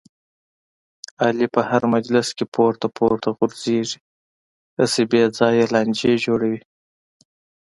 علي په هر مجلس کې پورته پورته غورځېږي، هسې بې ځایه لانجې جوړوي.